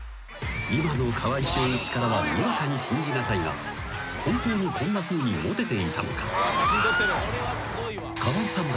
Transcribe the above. ［今の川合俊一からはにわかに信じ難いが本当にこんなふうにモテていたのか？］